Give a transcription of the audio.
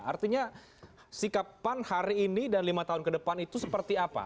artinya sikap pan hari ini dan lima tahun ke depan itu seperti apa